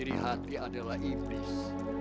diri hati adalah ibis